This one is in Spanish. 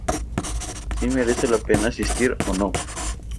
si merece la pena asistir o no